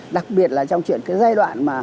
đặc biệt là trong chuyện cái giai đoạn